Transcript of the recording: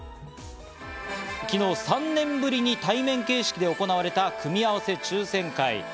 昨日、３年ぶりに対面形式で行われた組み合わせ抽選会。